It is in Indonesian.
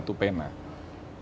penulis penjualan dengan satu pena